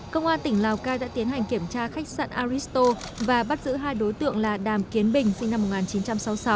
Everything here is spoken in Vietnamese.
công an tỉnh lào cai đã tiến hành kiểm tra khách sạn aristo và bắt giữ hai đối tượng là đàm kiến bình sinh năm một nghìn chín trăm sáu mươi sáu